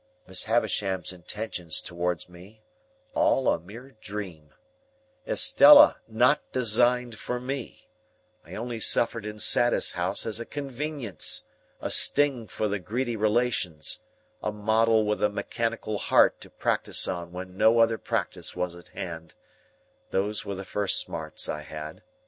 Miss Havisham's intentions towards me, all a mere dream; Estella not designed for me; I only suffered in Satis House as a convenience, a sting for the greedy relations, a model with a mechanical heart to practise on when no other practice was at hand; those were the first smarts I had.